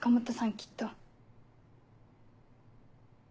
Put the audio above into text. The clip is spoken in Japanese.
きっと。